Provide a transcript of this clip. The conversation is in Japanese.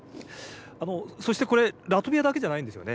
そして、これ、ラトビアだけじゃないんですよね。